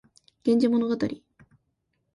源氏物語